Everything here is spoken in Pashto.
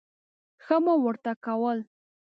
ښه مو ورته کول.